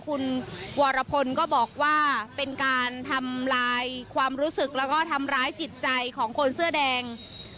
คุณวรพลก็บอกว่าเป็นการทำลายความรู้สึกแล้วก็ทำร้ายจิตใจของคนเสื้อแดง